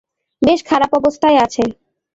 বেশ খারাপ অবস্থায় আছে!